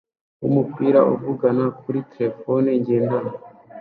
wumupira uvugana kuri terefone ngendanwa